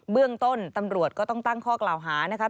เบื้องต้นตำรวจก็ต้องตั้งข้อกล่าวหานะครับ